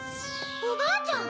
おばあちゃん！